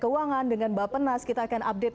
keuangan dengan bapak nas kita akan update